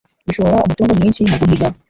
bishora umutungo mwinshi mu guhiga